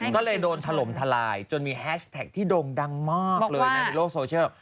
ก็เลยโดนถล่มทลายจนมีแฮชแท็กที่โด่งดังมากเลยในโลกโซเชียล